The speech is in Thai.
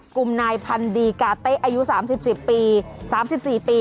กุมนายพันธุ์ดีกาเต้อายุ๓๐๔๐ปี